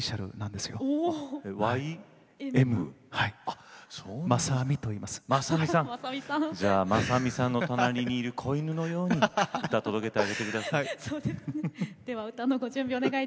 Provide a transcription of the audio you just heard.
ではまさみさんの隣にいる子犬のように歌を届けてあげてください。